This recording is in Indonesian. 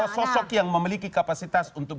sosok yang memiliki kapasitas untuk